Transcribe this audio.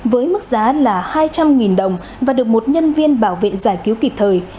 với mức giá là hai trăm linh đồng và được một nhân viên bảo vệ giải quyết